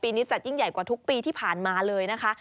นี้จัดยิ่งใหญ่กว่าทุกปีที่ผ่านมาเลยนะคะ